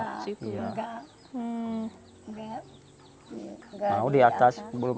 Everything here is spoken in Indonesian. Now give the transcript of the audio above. nah berarti kalau di atas rumah